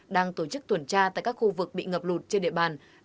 đang tổ chức tuần tra tại các khu vực bị ngập lụt trên địa bàn